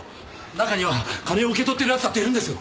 中には金を受け取ってる奴だっているんですよ。